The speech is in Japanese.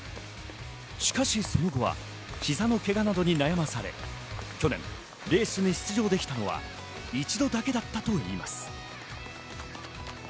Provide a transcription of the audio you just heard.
しかし、その後は膝のけがなどに悩まされ、去年レースに出場できたのは一度だけだったといいます。